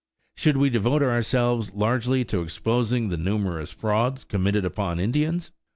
Should we devote ourselves largely to exposing the numerous frauds committed upon Indians?